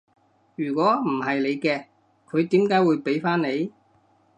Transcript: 如果唔係你嘅，佢點解會畀返你？